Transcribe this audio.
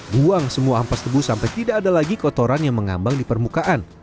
buang semua ampas tebu sampai tidak ada lagi kotoran yang mengambang di permukaan